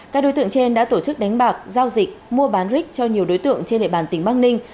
các đối tượng trên đã tổ chức đánh bạc giao dịch mua bán rick cho nhiều đối tượng trên địa bàn tỉnh bắc ninh